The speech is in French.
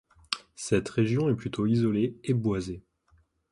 Cette région est plutôt isolée et boisée.